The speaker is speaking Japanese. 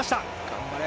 頑張れ！